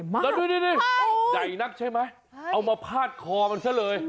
ยังไงมั้ยแล้วดูใหญ่หนักใช่ไหมเอามาพาดคอมันซะเลย